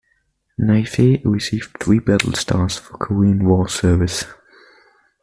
"Naifeh" received three battle stars for Korean War service.